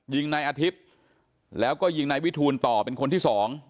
ยิงนายอาทิตย์แล้วก็ยิงนายวิทูลต่อเป็นคนที่สอง